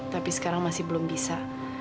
tapi sekarang masih belum bisa